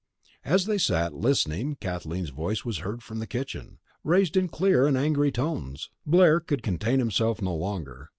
As they sat listening Kathleen's voice was heard from the kitchen, raised in clear and angry tones. Blair could contain himself no longer.